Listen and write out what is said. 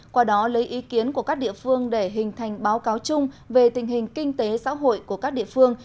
qua đó lấy ý kiến của các địa phương để hình thành báo cáo chung về tình hình kinh tế xã hội của các địa phương